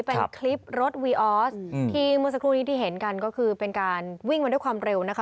เป็นคลิปรถวีออสที่เมื่อสักครู่นี้ที่เห็นกันก็คือเป็นการวิ่งมาด้วยความเร็วนะคะ